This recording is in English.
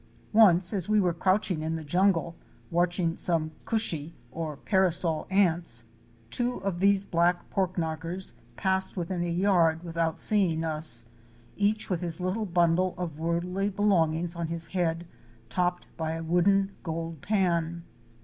Once as we were crouch ing in the jungle watching some "cushie"' or parasol ants, two of these black pork knockers passed within a yard with out seeing us, each with his little bundle of worldly belong ings on his head, topped by a wooden gold pan.